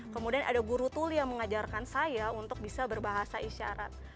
kemudian ada guru tuli yang mengajarkan saya untuk bisa berbahasa isyarat